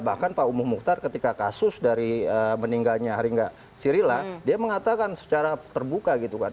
bahkan pak umuh mukhtar ketika kasus dari meninggalnya haringga sirila dia mengatakan secara terbuka gitu kan